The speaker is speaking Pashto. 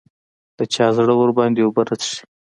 د چا زړه ورباندې اوبه نه څښي